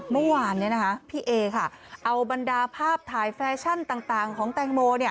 เมื่อวานพี่เอค่ะเอาบรรดาภาพถ่ายแฟชั่นต่างของแตงโม